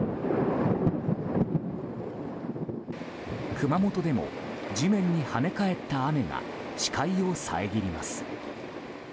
熊本でも、地面に跳ね返った雨が視界を遮ります。